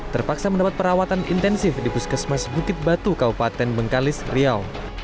terpaksa mendapat perawatan intensif di puskesmas bukit batu kabupaten bengkalis riau